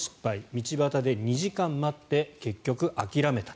道端で２時間待って結局、諦めた。